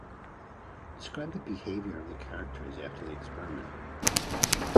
Describe the behaviour of the characters after the experiment.